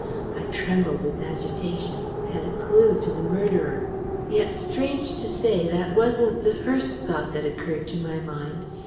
I trembled with agitation. I had a clue to the murderer! Yet, strange to say, that wasn't the first thought that occurred to my mind.